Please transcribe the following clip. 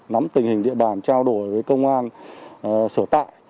nắm tình hình địa bàn trao đổi với công an sở tại